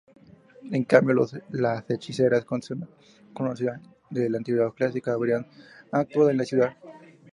En cambio, las hechiceras, conocidas desde la antigüedad clásica, habrían actuado en la ciudad.